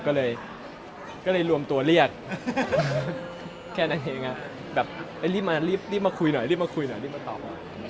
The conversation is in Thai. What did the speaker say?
ก็เลยรวมตัวเรียกแค่นั้นเองแบบรีบมารีบมาคุยหน่อยรีบมาคุยหน่อยรีบมาตอบ